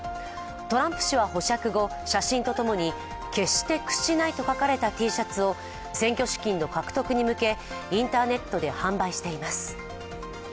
トランプ氏は保釈後、写真とともに「決して屈しない」と書かれたＴシャツを選挙資金の獲得に向け、インターネットで販売しています。